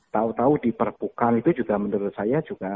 tau tau diperbukan itu juga menurut saya juga